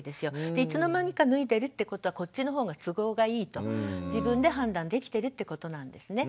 いつの間にか脱いでるってことはこっちの方が都合がいいと自分で判断できてるってことなんですね。